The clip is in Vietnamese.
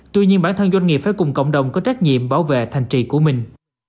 tuy nhiên bản thân doanh nghiệp phải cùng cộng đồng có trách nhiệm bảo vệ thành trì của mình